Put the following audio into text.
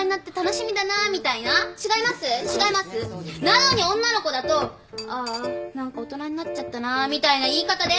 なのに女の子だと「あーあ。何か大人になっちゃったな」みたいな言い方で。